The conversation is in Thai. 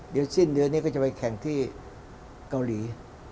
เดี๋ยวสิ้นเดือนนี้ก็จะไปแข่งที่เกาหลี